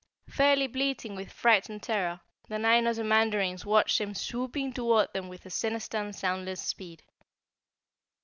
Fairly bleating with fright and terror, the nine Ozamandarins watched him swooping toward them with a sinister and soundless speed.